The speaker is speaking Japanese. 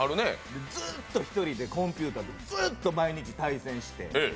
ずっと一人でコンピューターとずっと毎日対戦して。